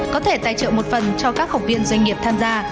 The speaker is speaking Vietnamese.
có thể tài trợ một phần cho các học viên doanh nghiệp tham gia